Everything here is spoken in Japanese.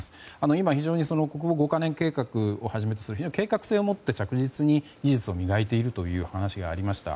今、非常に国防５か年計画をはじめ非常に計画性を持って、着実に技術を磨いているという話がありました。